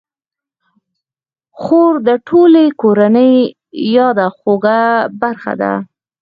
خور د ټولې کورنۍ یاده خوږه برخه ده.